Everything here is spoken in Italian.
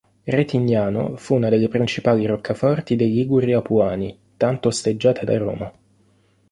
Retignano fu una delle principali roccaforti dei Liguri Apuani, tanto osteggiata da Roma.